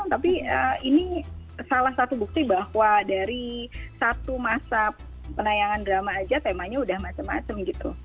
tapi ini salah satu bukti bahwa dari satu masa penayangan drama aja temanya udah macem macem gitu